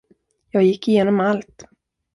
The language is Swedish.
Jag gick igenom allt.